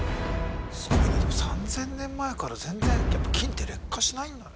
３，０００年前から全然やっぱ金って劣化しないんだね。